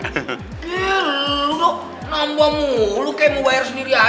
yeee lo dok nambah mulu kayak mau bayar sendiri aja